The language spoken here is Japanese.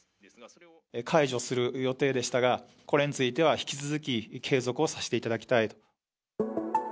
解除する予定でしたが、これについては引き続き、継続をさせていただきたいと。